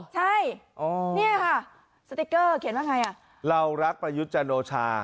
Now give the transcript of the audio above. ใช่นี่นะสติ๊กเกอร์เค่ะง่ายพลังให้เรารักประยุทธ์จะโดรชา